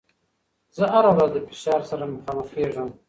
زه هره ورځ له فشار سره مخامخېږم.